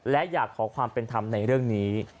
และอยากขอความเป็นธรรมในเรื่องนี้